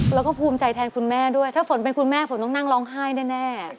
แล้วก็ภูมิใจแทนคุณแม่ด้วยถ้าฝนเป็นคุณแม่ฝนต้องนั่งร้องไห้แน่